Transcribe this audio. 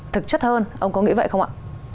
thực chất hơn ông có nghĩ vậy không ạ